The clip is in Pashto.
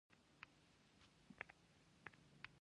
د اوږده پارلمان غونډه جوړه شوه.